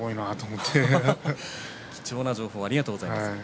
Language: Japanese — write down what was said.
貴重な情報をありがとうございます。